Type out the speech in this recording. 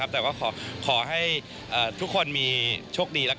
แต่ก็ขอให้ทุกคนมีโชคดี